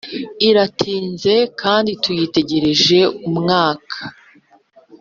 iratinze kandi tuyitegereje umwanya